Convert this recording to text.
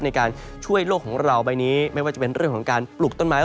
ในการช่วยโลกของเราใบนี้ไม่ว่าจะเป็นเรื่องของการปลูกต้นไม้